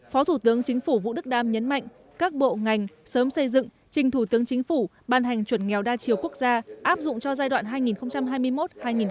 phó thủ tướng chính phủ vũ đức đam nhấn mạnh các bộ ngành sớm xây dựng trình thủ tướng chính phủ ban hành chuẩn nghèo đa chiều quốc gia áp dụng cho giai đoạn hai nghìn hai mươi một hai nghìn ba mươi